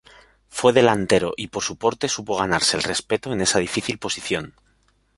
Fue delantero y por su porte supo ganarse el respeto en esa difícil posición.